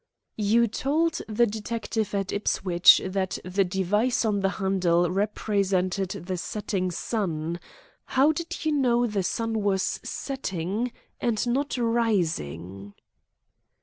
"You told the detective at Ipswich that the device on the handle represented the setting sun. How did you know the sun was setting, and not rising?"